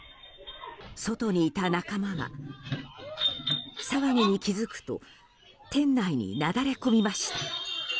外にいた仲間は、騒ぎに気づくと店内になだれ込みました。